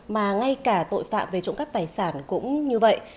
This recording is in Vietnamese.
mà ngay cả tội phạm về trộm cắp tài sản cũng như vậy